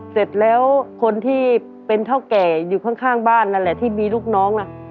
เสร็จแล้วคนที่เป็นเท่าแก่อยู่ข้างบ้านนั่นแหละที่มีลูกน้องน่ะ